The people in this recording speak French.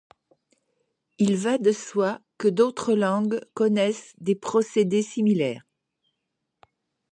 Il va de soi que d'autres langues connaissent des procédés similaires.